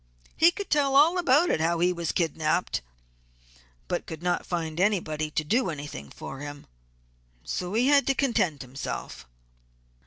He could tell all about how he was kidnapped, but could not find anybody to do anything for him, so he had to content himself.